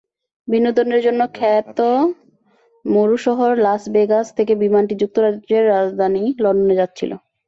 বিনোদনের জন্য খ্যাত মরু শহর লাস ভেগাস থেকে বিমানটি যুক্তরাজ্যের রাজধানী লন্ডনে যাচ্ছিল।